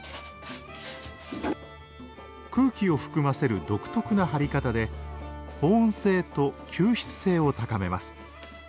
空気を含ませる独特な貼り方で保温性と吸湿性を高めます。